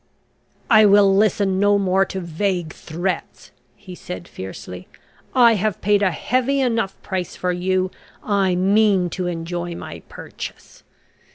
"I will listen no more to vague threats," he said fiercely. "I have paid a heavy enough price for you. I mean to enjoy my purchase.